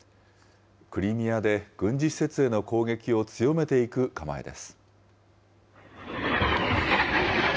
クリミアで軍事施設への攻撃を強めていく構えです。